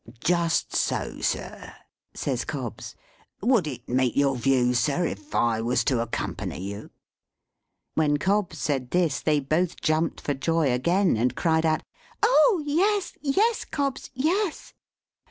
"Just so, sir," says Cobbs. "Would it meet your views, sir, if I was to accompany you?" When Cobbs said this, they both jumped for joy again, and cried out, "Oh, yes, yes, Cobbs! Yes!"